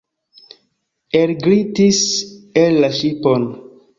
Elglitis el la ŝipon.